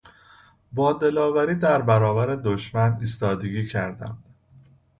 با دلاوری در برابر دشمن ایستادگی کردند.